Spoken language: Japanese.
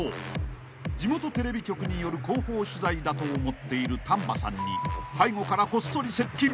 ［地元テレビ局による広報取材だと思っている丹波さんに背後からこっそり接近］